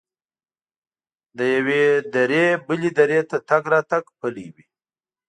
له یوې درې بلې درې ته تګ راتګ پلی وي.